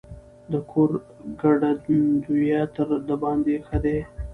د کور ګټندويه تر دباندي ښه دی.